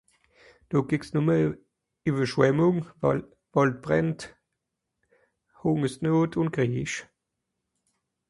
Do gebt's numme Ewerschwemmunge, Waldbrände, Hungersnot un Kriej